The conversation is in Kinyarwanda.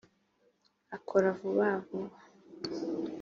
akora vuba vuba